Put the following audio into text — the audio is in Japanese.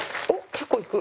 結構いく。